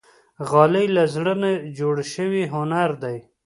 غالۍ له زړه نه جوړ شوی هنر دی.